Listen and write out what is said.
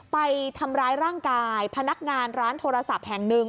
ไปทำร้ายร่างกายพนักงานร้านโทรศัพท์แห่งหนึ่ง